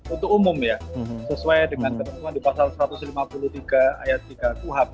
untuk umum ya sesuai dengan ketentuan di pasal satu ratus lima puluh tiga ayat tiga kuhap